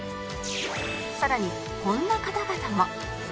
さらにこんな方々も